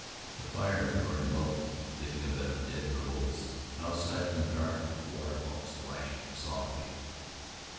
The fire had burned low, leaving a bed of dead coals. Outside in the dark a waterfall splashed softly.